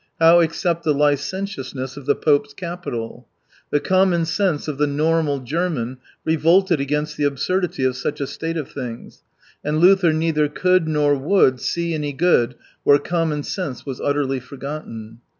How accept the licentiousness of the pope's capital ? The common sense of the normal German revolted against the absurdity of such a state of things — and Luther neither could nor would see any good where common sense was utterly forgotten.